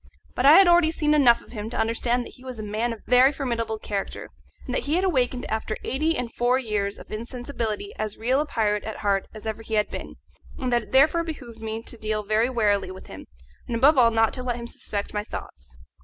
But I had already seen enough of him to understand that he was a man of a very formidable character, and that he had awakened after eight and forty years of insensibility as real a pirate at heart as ever he had been, and that it therefore behoved me to deal very warily with him, and above all not to let him suspect my thoughts.